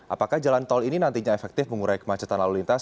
apakah jalan tol ini nantinya efektif mengurai kemacetan lalu lintas